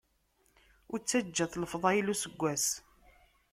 Ur ttaǧǧat lefḍayel n useggas.